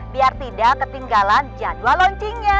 biar tidak ketinggalan jadwal launchingnya